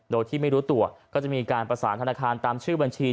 โดยที่ไม่รู้ตัวก็จะมีการประสานธนาคารตามชื่อบัญชี